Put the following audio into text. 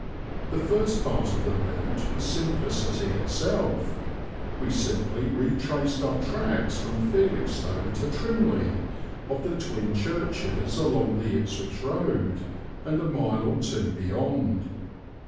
The first part of the route was simplicity itself. We simply retraced our tracks from Felixstowe to Trimley of the twin churches along the Ipswich road, and a mile or two beyond.